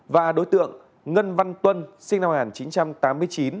và đối tượng ngân văn tuân sinh năm một nghìn chín trăm tám mươi chín